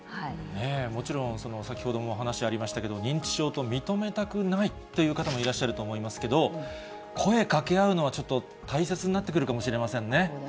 もちろん、先ほどもお話ありましたけれども、認知症と認めたくないっていう方もいらっしゃると思いますけど、声かけ合うのはちょっと、大切になってくるかもしれませんね。